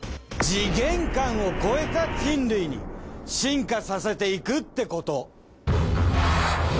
次元間を超えた人類に進化させていくってこと。